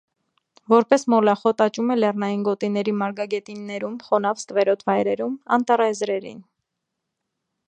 Որպես մոլախոտ աճում է լեռնային գոտիների մարգագետիններում, խոնավ ստվերոտ վայրերում, անտառաեզրերին։